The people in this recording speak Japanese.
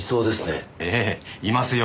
ええいますよ。